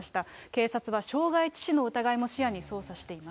警察は傷害致死の疑いも視野に捜査しています。